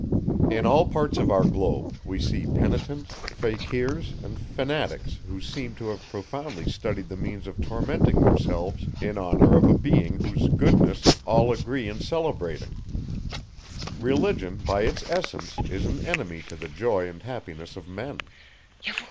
In all parts of our globe, we see penitents, fakirs, and fanatics, who seem to have profoundly studied the means of tormenting themselves, in honour of a being whose goodness all agree in celebrating. Religion, by its essence, is an enemy to the joy and happiness of men.